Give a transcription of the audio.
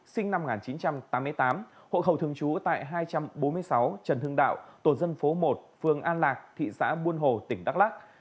sinh năm một nghìn chín trăm tám mươi tám hộ khẩu thường trú tại hai trăm bốn mươi sáu trần hưng đạo tổ dân phố một phường an lạc thị xã buôn hồ tỉnh đắk lắc